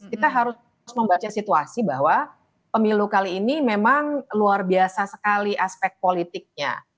kita harus membaca situasi bahwa pemilu kali ini memang luar biasa sekali aspek politiknya